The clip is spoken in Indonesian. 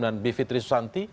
dan b fitri susanti